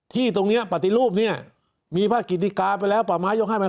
ที่ตรงนี้ปฏิรูปเนี่ยมีพระกิติกาไปแล้วป่าไม้ยกให้มัน